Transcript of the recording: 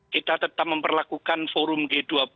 kita tetap memperlakukan forum g dua puluh